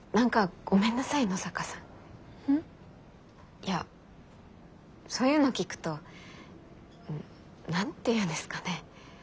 いやそういうの聞くと何て言うんですかね。